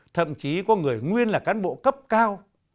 thậm chí có người nguyên là cán bộ cấp cao